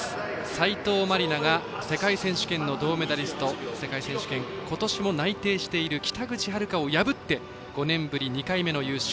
斉藤真理菜が世界選手権の銅メダリスト今年の世界選手権に内定している北口榛花を破って５年ぶり２回目の優勝。